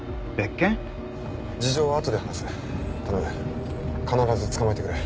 事情は後で話す頼む必ず捕まえてくれ。